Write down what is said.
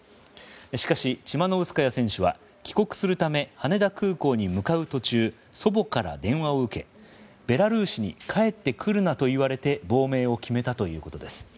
しかし、チマノウスカヤ選手は帰国するため羽田空港に向かう途中祖母から電話を受けベラルーシに帰ってくるなと言われて亡命を決めたということです。